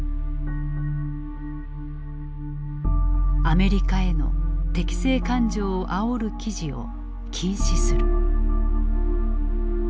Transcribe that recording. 「アメリカへの敵性感情をあおる記事を禁止する」。